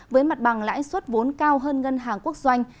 với mặt bằng lãi suất vốn cao hơn ngân hàng quốc doanh